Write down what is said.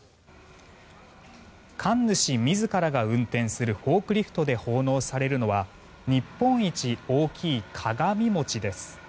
神主自らが運転するフォークリフトで奉納されるのは日本一大きい鏡餅です。